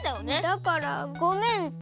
だからごめんって。